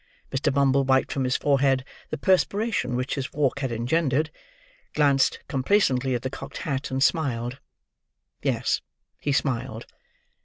Mr. Bumble wiped from his forehead the perspiration which his walk had engendered, glanced complacently at the cocked hat, and smiled. Yes, he smiled.